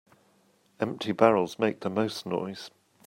Empty barrels make the most noise.